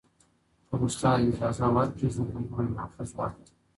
که استاد اجازه ورکړي زه به نوی ماخذ واخلم.